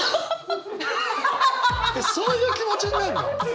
そういう気持ちになるの？